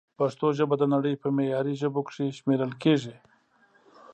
پښتو ژبه د نړۍ په معياري ژبو کښې شمېرل کېږي